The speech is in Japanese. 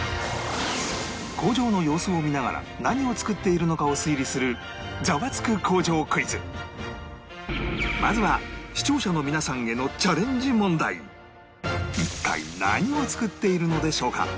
工場の様子を見ながら何を作っているのかを推理するまずは視聴者の皆さんへの一体何を作っているのでしょうか？